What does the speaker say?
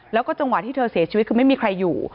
แล้วก็จังหวะที่เธอเสียชีวิตคือไม่มีใครอยู่